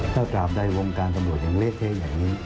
ถ้ากราบใดวงการหลาดส่งเนื้อเลสเทศเลยอย่างนี้